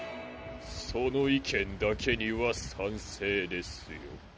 その意見だけには賛成ですよ。